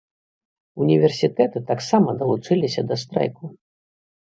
Універсітэты таксама далучыліся да страйку.